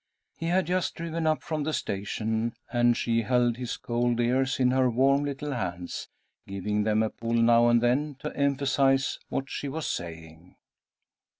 He had just driven up from the station, and she held his cold ears in her warm little hands, giving them a pull now and then to emphasize what she was saying.